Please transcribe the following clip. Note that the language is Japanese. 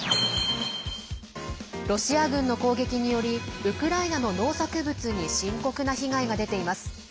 ロシア軍の攻撃によりウクライナの農作物に深刻な被害が出ています。